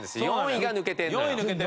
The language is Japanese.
４位が抜けてるのよ。